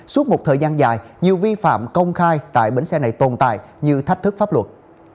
suốt một thời gian dài nhiều vi phạm công khai tại bến xe này tồn tại như thách thức pháp luật